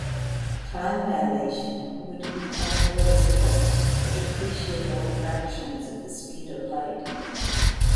Time dilation would become noticeable at appreciable fractions of the speed of light.